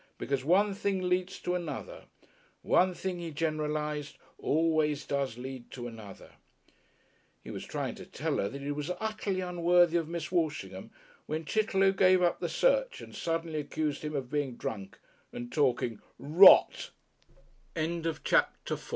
Because one thing leads to another. One thing, he generalized, always does lead to another.... He was trying to tell her that he was utterly unworthy of Miss Walshingham, when Chitterlow gave up the search and suddenly accused him of bei